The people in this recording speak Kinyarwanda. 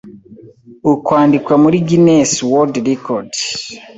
akandikwa muri 'Guinness World Records'